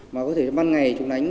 mà có thể ban ngày chúng đánh